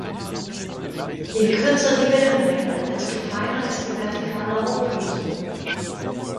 Je kürzer die Wellenlänge, desto feiner ist die vertikale Auflösung.